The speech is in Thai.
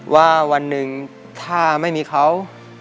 ว่าวันหนึ่งถ้าไม่มีเขา